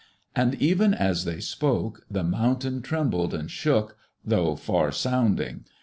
And even as they spoke, the mountain trembled and shook, though far sounding.